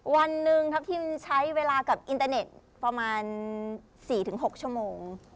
วันหนึ่งทัพทิมใช้เวลากับอินเตอร์เน็ตประมาณ๔๖ชั่วโมง